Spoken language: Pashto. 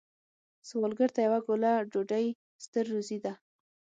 سوالګر ته یوه ګوله ډوډۍ ستر روزی ده